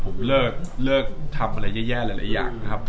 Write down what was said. ผมเลิกทำอะไรแย่หลายอย่างนะครับ